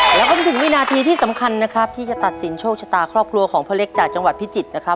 แล้วก็มาถึงวินาทีที่สำคัญนะครับที่จะตัดสินโชคชะตาครอบครัวของพ่อเล็กจากจังหวัดพิจิตรนะครับ